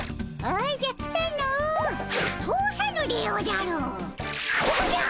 おじゃ！